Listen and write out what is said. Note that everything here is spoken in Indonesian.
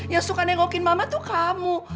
yang suka negokin mama tuh kamu